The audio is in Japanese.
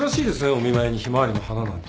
お見舞いにヒマワリの花なんて。